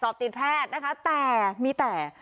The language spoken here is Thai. ติดแพทย์นะคะแต่มีแต่